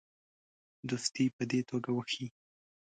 دوستي په دې توګه وښیي.